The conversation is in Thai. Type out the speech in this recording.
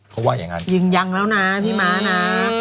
เขาว่าอย่างนั้นยิงยังแล้วนะพี่ม้านะ